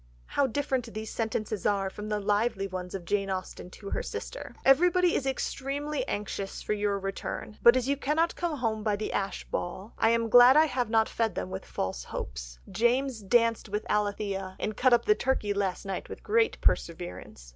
How different these sentences are from the lively ones of Jane Austen to her sister: "Everybody is extremely anxious for your return, but as you cannot come home by the Ashe ball, I am glad I have not fed them with false hopes. James danced with Alithea, and cut up the turkey last night with great perseverance.